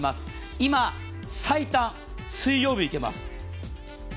今、最短水曜日いけます。